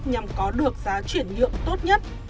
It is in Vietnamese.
nhằm có được giá chuyển lượng tốt nhất